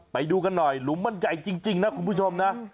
ไปดูกันหน่อยหลุมมันใหญ่จริงนะคุณผู้ชมนะ